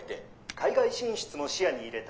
「海外進出も視野に入れた」。